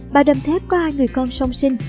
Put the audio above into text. bà đâm thép có hai người con song sinh